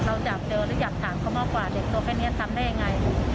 เราอยากเจอหรืออยากถามเขามากกว่าเด็กตัวแค่นี้ทำได้ยังไง